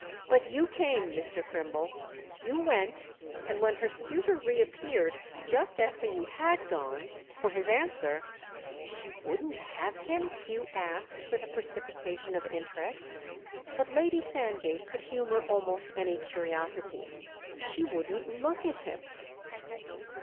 But you came, Mr. Crimble, you went; and when her suitor reappeared, just after you had gone, for his answer—" "She wouldn't have him?" Hugh asked with a precipitation of interest. But Lady Sandgate could humour almost any curiosity. "She wouldn't look at him."